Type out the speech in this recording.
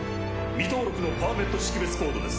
未登録のパーメット識別コードです。